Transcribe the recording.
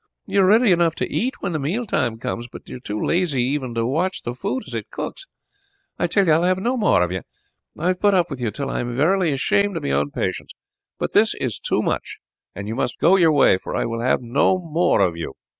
You are ready enough to eat when the meal time comes, but are too lazy even to watch the food as it cooks. I tell you I will have no more of you. I have put up with you till I am verily ashamed of my own patience; but this is too much, and you must go your way, for I will have no more of you."